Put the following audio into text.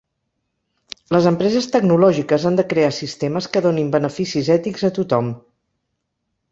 Les empreses tecnològiques han de crear sistemes que donin beneficis ètics a tothom.